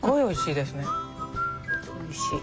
おいしい。